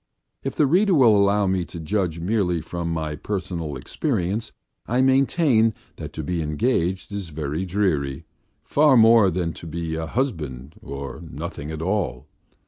If the reader will allow me to judge merely from my personal experience, I maintain that to be engaged is very dreary, far more so than to be a husband or nothing at all.